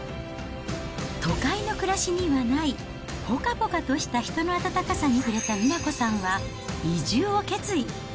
都会の暮らしにはない、ぽかぽかとした人の温かさに触れた美奈子さんは移住を決意。